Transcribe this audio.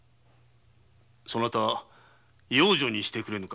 そなた養女にしてくれぬか。